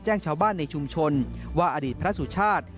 แจ้งชาวบ้านในชุมชนว่าอดีตพระสุชาติ